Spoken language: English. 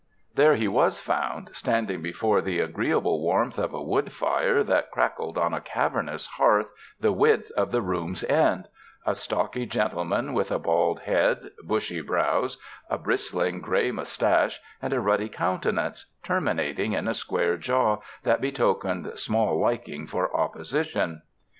There he was found standing before the agreeable warmth of a wood fire that crackled on a cavernous hearth the width of the room's end — a stocky gentle man with a bald head, bushy brows, a bristling gray mustache, and a ruddy countenance terminating in a square jaw that betokened small liking for opposi tion.